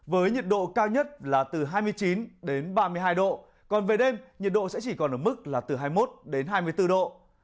với nhiệt độ cao nhất là từ hai mươi chín đến ba mươi hai độ còn về đêm nhiệt độ sẽ chỉ còn ở mức là từ hai mươi một đến hai mươi bốn độ